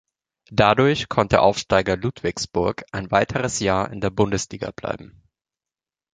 Dadurch konnte Aufsteiger Ludwigsburg ein weiteres Jahr in der Bundesliga bleiben.